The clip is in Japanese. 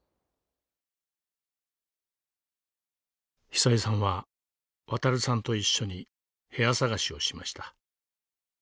尚江さんは渉さんと一緒に部屋探しをしました。